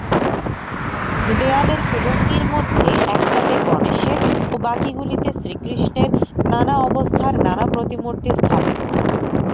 দেয়ালের কুলঙ্গির মধ্যে একটাতে গণেশের ও বাকিগুলিতে শ্রীকৃষ্ণের নানা অবস্থার নানা প্রতিমূর্তি স্থাপিত।